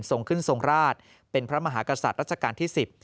ส่งขึ้นทรงราชเป็นพระมหากษัตริย์รัชกาลที่๑๐